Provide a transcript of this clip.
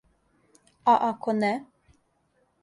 А ако не?